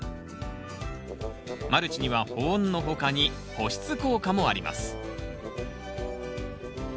マルチには保温の他に保湿効果もあります